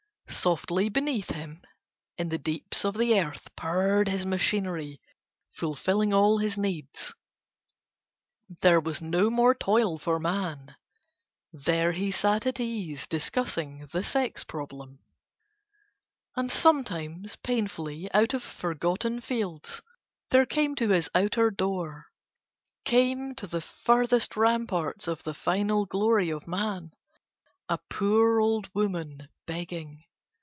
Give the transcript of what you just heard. Softly beneath him in the deeps of the earth purred his machinery fulfilling all his needs, there was no more toil for man. There he sat at ease discussing the Sex Problem. And sometimes painfully out of forgotten fields, there came to his outer door, came to the furthest rampart of the final glory of Man, a poor old woman begging.